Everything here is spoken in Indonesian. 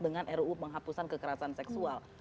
dengan ruu penghapusan kekerasan seksual